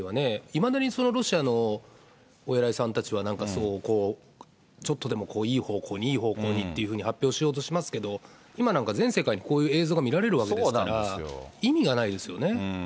いまだにロシアのお偉いさんたちは、なんかすごいこう、ちょっとでもいい方向にいい方向にっていうふうに発表しようとしますけど、今なんか全世界で、こういう映像が見られるわけですから、意味がないですよね。